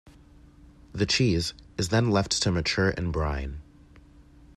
The cheese is then left to mature in brine.